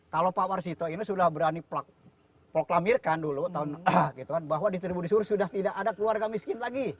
kalau pak warsito ini sudah berani proklamirkan dulu tahun bahwa di tiribudi sukur sudah tidak ada keluarga miskin lagi